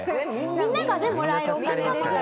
みんながねもらえるお金でしたから。